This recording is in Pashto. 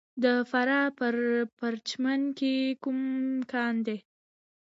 د فراه په پرچمن کې کوم کان دی؟